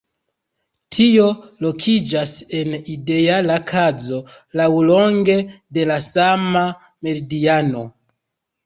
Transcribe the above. Tio lokiĝas en ideala kazo laŭlonge de la sama meridiano.